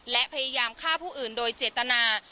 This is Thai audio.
และพยายามฆ่าผู้อื่นโดยเจตนา